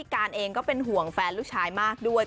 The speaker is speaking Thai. การเองก็เป็นห่วงแฟนลูกชายมากด้วย